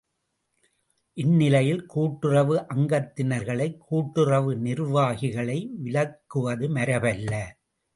இந்நிலையில் கூட்டுறவு அங்கத்தினர்களை கூட்டுறவு நிர்வாகிகளை விலக்குவது மரபல்ல.